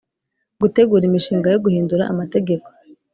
Gutegura imishinga yo guhindura amategeko